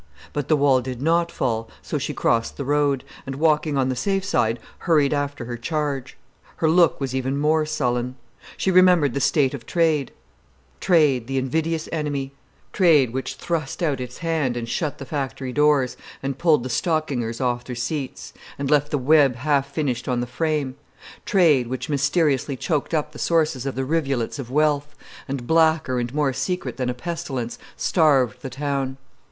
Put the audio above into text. But the wall did not fall, so she crossed the road, and walking on the safe side, hurried after her charge. Her look was even more sullen. She remembered the state of trade—Trade, the invidious enemy; Trade, which thrust out its hand and shut the factory doors, and pulled the stockingers off their seats, and left the web half finished on the frame; Trade, which mysteriously choked up the sources of the rivulets of wealth, and blacker and more secret than a pestilence, starved the town.